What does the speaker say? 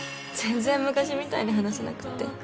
全然昔みたいに話せなくって。